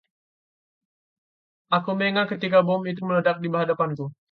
Aku bengal ketika bom itu meledak di hadapanku.